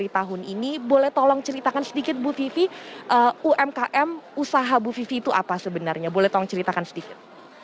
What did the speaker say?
tahun ini boleh tolong ceritakan sedikit bu vivi umkm usaha bu vivi itu apa sebenarnya boleh tolong ceritakan sedikit